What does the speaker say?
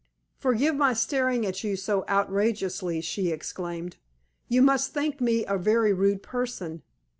"Forgive my staring at you so outrageously," she exclaimed. "You must think me a very rude person.